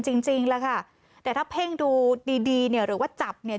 จริงจริงแล้วค่ะแต่ถ้าเพ่งดูดีดีเนี่ยหรือว่าจับเนี่ย